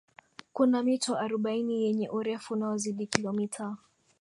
kuna mito arobaini yenye urefu unaozidi kilomita